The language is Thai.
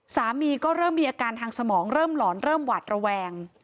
สามีก็เริ่มมีอาการทางสมองเริ่มหลอนเริ่มหวาดระแวง